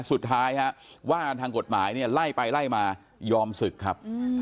สุดท้ายว่าทางกฎหมายไล่ไปไล่มายอมศึกครับ